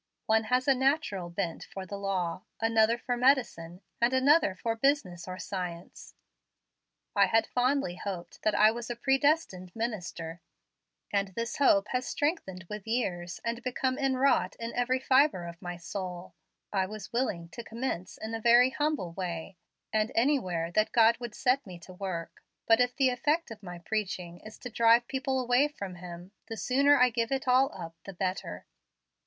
One has a natural bent for the law, another for medicine, and another for business or science. I had fondly hoped that I was a predestined minister, and this hope has strengthened with years and become inwrought with every fibre of my soul. I was willing to commence in a very humble way, and anywhere that God would set me to work; but if the effect of my preaching is to drive people away from Him, the sooner I give it all up the better."